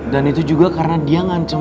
dan itu juga karena dia ngancam opa